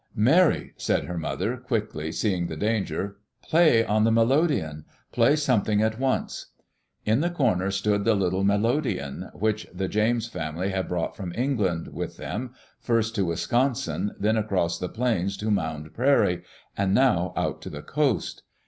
"Mary," said her mother quickly, seeing the danger, "play on the melodeon. Play something at once." In the corner stood the little melodeon which the James family had brought from England with them, first to Wis consin, then across the plains to Mound Prairie, and now out to the coast.